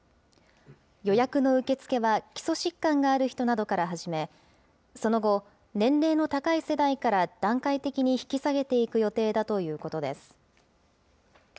予約の受け付けは基礎疾患がある人などから始め、その後、年齢の高い世代から段階的に引き下げていく予定だということです。